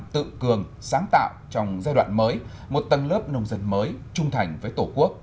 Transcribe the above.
tự cường sáng tạo trong giai đoạn mới một tầng lớp nông dân mới trung thành với tổ quốc